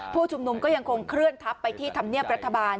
ผู้ชุมนุมก็ยังคงเคลื่อนทัพไปที่ธรรมเนียบรัฐบาล